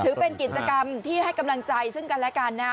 เป็นกิจกรรมที่ให้กำลังใจซึ่งกันและกันนะ